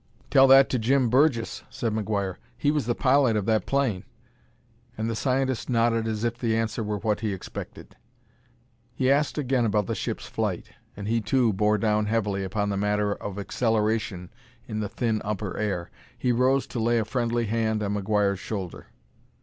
"Tell that to Jim Burgess," said McGuire: "he was the pilot of that plane." And the scientist nodded as if the answer were what he expected. He asked again about the ship's flight. And he, too, bore down heavily upon the matter of acceleration in the thin upper air. He rose to lay a friendly hand on McGuire's shoulder.